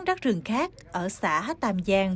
rắc rừng khác ở xã tàm giang